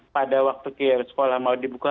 pada waktu ke sekolah mau dibuka